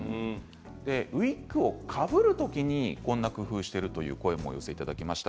ウイッグをかぶる時に工夫しているという声もお寄せいただきました。